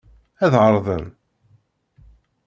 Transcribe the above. Ad ɛerḍen.